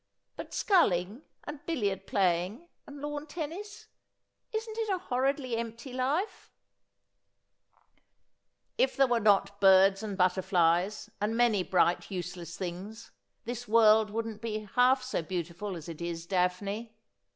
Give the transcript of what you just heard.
But sculling, and billiard playing, and lawn tennis — isn't it a horridly empty life ?'' If there were not birds and butterflies, and many bright useless things, this world wouldn't be half so beautiful as it is, Daphne.'